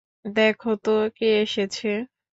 দেখো তো কে এসেছে।